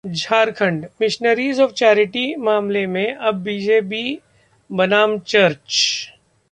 Jharkhand missionaries of charity मामले में अब बीजेपी बनाम चर्च